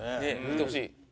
きてほしい。